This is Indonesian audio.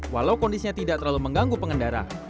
walau kondisinya tidak terlalu mengganggu pengendara